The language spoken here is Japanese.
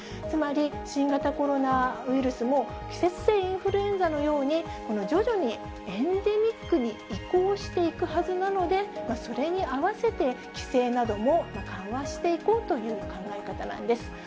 つまり、新型コロナウイルスも季節性インフルエンザのように、徐々にエンデミックに移行していくはずなので、それに合わせて、規制なども緩和していこうという考え方なんです。